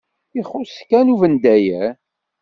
Ixuṣṣ kan ubendayer.